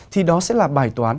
thì đó sẽ là bài toán